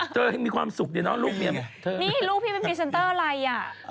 เธอยังมีความสุขดีเนอะลูกเมียเธอนี่ลูกพี่เป็นพรีเซนเตอร์อะไรอ่ะ